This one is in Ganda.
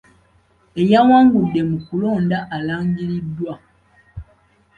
Eyawangudde mu kulonda alangiriddwa.